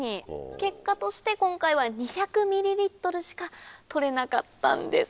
結果として今回は２００ｍしか採れなかったんです。